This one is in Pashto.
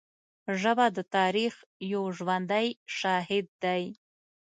ژبه د تاریخ یو ژوندی شاهد دی